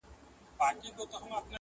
د آدب ټوله بهير را سره خاندي.